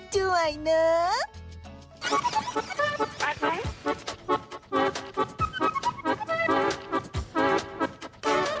จ้วยเนอะ